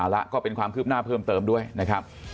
แล้วก็เป็นความคืบหน้าเพิ่มเติมด้วยนะครับ